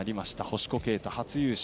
星子啓太、初優勝。